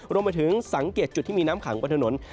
รวมไปถึงสังเกตจุดที่มีน้ำขังบนถนน